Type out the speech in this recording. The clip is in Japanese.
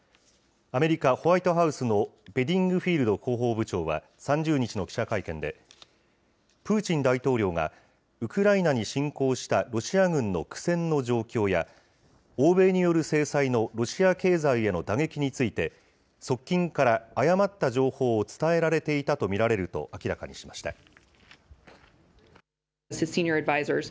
アメリカ、ホワイトハウスのベディングフィールド広報部長は３０日の記者会見で、プーチン大統領が、ウクライナに侵攻したロシア軍の苦戦の状況や、欧米による制裁のロシア経済への打撃について、側近から誤った情報を伝えられていたと見られると明らかにしました。